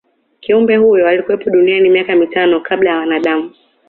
kiumbe huyo alikuwepo duniani miaka mia tano kabla ya wanadamu